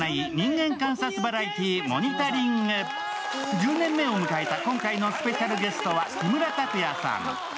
１０年目を迎えた今回のスペシャルゲストは木村拓哉さん。